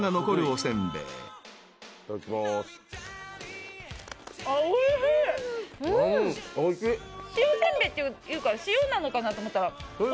塩せんべいっていうから塩なのかなと思ったらおしょうゆだ。